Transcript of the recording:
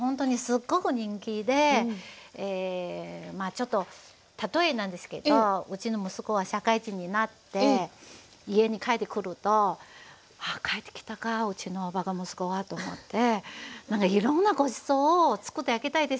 ちょっと例えなんですけどうちの息子が社会人になって家に帰ってくるとああ帰ってきたかうちのばか息子がと思って何かいろんなごちそうをつくってあげたいですけど。